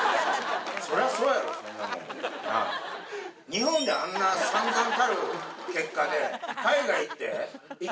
日本であんな惨憺たる結果で海外行って。